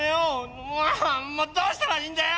もうもうどうしたらいいんだよ！